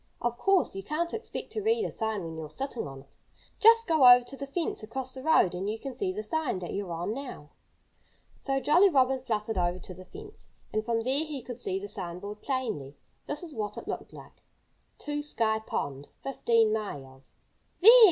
Of course, you can't expect to read a sign when you're sitting on it. Just go over to the fence across the road and you can see the sign that you're on now." So Jolly Robin fluttered over to the fence. And from there he could see the sign board plainly. This is what it looked like: TO SKY POND, 15 MILES "There!"